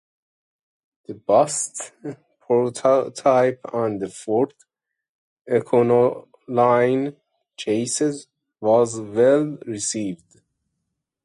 The Busette prototype on the Ford Econoline chassis was well received.